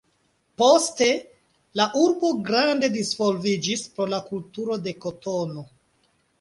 Poste, la urbo grande disvolviĝis pro la kulturo de kotono.